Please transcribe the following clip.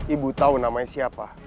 ibu tau namanya siapa